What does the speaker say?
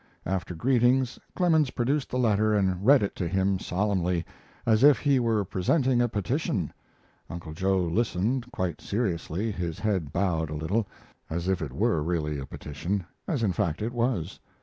After greetings, Clemens produced the letter and read it to him solemnly, as if he were presenting a petition. Uncle Joe listened quite seriously, his head bowed a little, as if it were really a petition, as in fact it was.